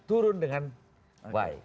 turun dengan baik